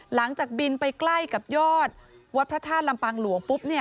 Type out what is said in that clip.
หลังจากบินไปใกล้กับยอดวัดพระธาตุลำปางหลวงปุ๊บ